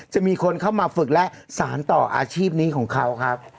จะมีคนเข้ามาฝึกและสารต่ออาชีพนี้ของเขาครับ